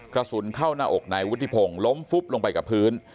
กระสุนเข้าหน้าอกนายวุฒิพงศ์ล้มฟุบลงไปกับพื้น